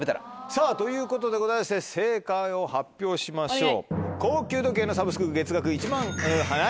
さぁということでございまして正解を発表しましょう。